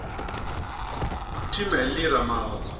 Ti me lida maok.